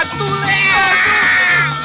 tidak bisa berhenti